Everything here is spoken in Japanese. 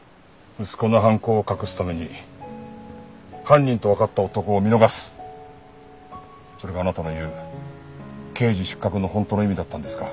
息子の犯行を隠すために犯人とわかった男を見逃すそれがあなたの言う刑事失格の本当の意味だったんですか。